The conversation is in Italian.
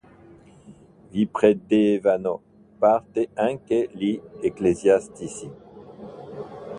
Vi prendevano parte anche gli ecclesiastici.